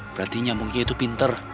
berarti nyamuknya itu pinter